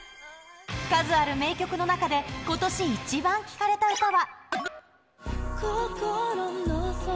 数ある名曲の中で、今年イチバン聴かれた歌は。